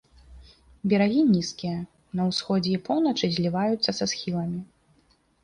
Берагі нізкія, на ўсходзе і поўначы зліваюцца са схіламі.